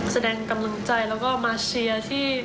แสดงกำลังใจแล้วก็มาเชียร์ที่